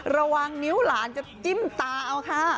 ระวังนิ้วหลานจะจิ้มตาเอาค่ะ